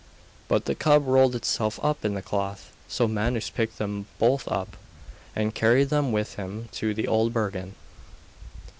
But the cub rolled itself up in the cloth; so Manus picked them both up, and carried them with him to Old Bergen.